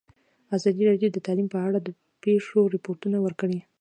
ازادي راډیو د تعلیم په اړه د پېښو رپوټونه ورکړي.